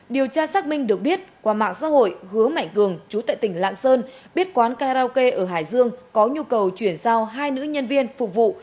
điều tra xác minh được biết qua mạng xã hội hứa mạnh cường chú tại tỉnh lạng sơn biết quán karaoke ở hải dương có nhu cầu chuyển giao hai nữ nhân viên phục vụ